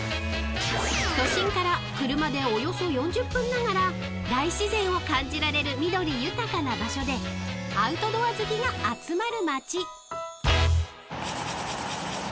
［都心から車でおよそ４０分ながら大自然を感じられる緑豊かな場所でアウトドア好きが集まる町］